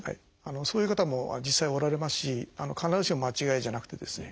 そういう方も実際おられますし必ずしも間違いじゃなくてですね